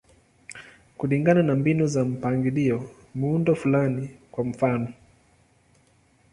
Kulingana na mbinu za mpangilio, muundo fulani, kwa mfano.